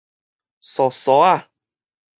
趖趖也